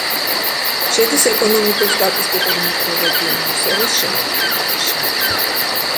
შედის ეკონომიკურ-სტატისტიკურ მიკრორეგიონ მოსოროს შემადგენლობაში.